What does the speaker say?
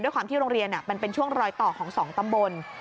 ความที่โรงเรียนมันเป็นช่วงรอยต่อของ๒ตำบล